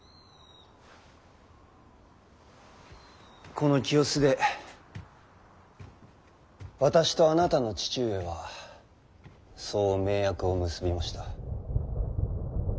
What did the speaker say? この清須で私とあなたの父上はそう盟約を結びました。